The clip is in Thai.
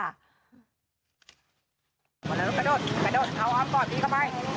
หมดแล้วกระโดดระโดดเอาอ้อมก่อนพีเข้าไป